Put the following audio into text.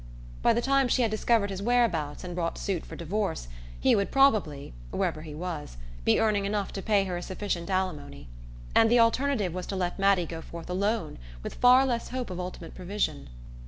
By the time she had discovered his whereabouts, and brought suit for divorce, he would probably wherever he was be earning enough to pay her a sufficient alimony. And the alternative was to let Mattie go forth alone, with far less hope of ultimate provision...